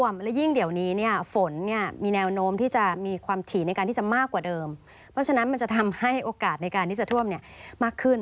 มีโอกาสในการที่จะท่วมเนี่ยมาขึ้น